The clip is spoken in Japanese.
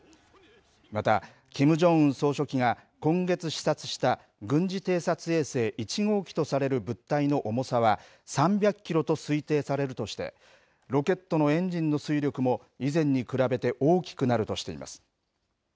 またキム・ジョンウン総書記が今月視察した軍事偵察衛星１号機とされる物体の重さは３００キロと推定されるとして、ロケットのエンジンの推力も以前に比べて大きくなるとしています。